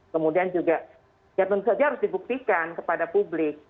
kemudian juga ya tentu saja harus dibuktikan kepada publik